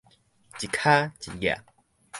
一跤一跡